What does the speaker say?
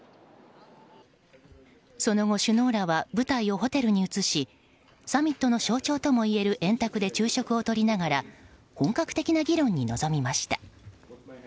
その後、首脳らは舞台をホテルに移しサミットの象徴ともいえる円卓で昼食をとりながら本格的な議論に臨みました。